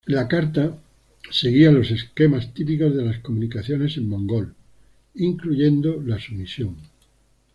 La carta seguía los esquemas típicos de las comunicaciones en mongol, incluyendo la sumisión.